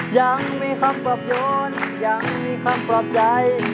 ยังมีคำปรบยนต์ยังมีคำปรบใจ